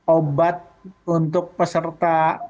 obat untuk peserta